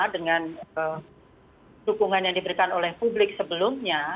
dengan dukungan yang diberikan oleh publik sebelumnya